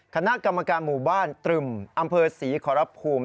คณะกรรมการหมู่บ้านตรึมอำเภอศรีขอรภูมิ